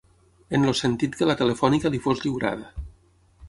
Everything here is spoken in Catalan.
En el sentit que la Telefònica li fos lliurada